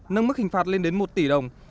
nâng mức hình phạt lên đến một tỷ đồng